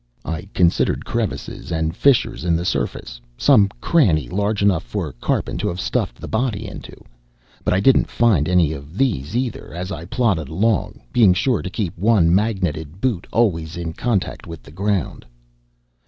I considered crevices and fissures in the surface, some cranny large enough for Karpin to have stuffed the body into. But I didn't find any of these either as I plodded along, being sure to keep one magnetted boot always in contact with the ground.